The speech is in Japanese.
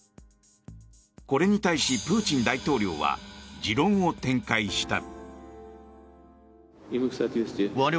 これに対し、プーチン大統領は持論を展開した。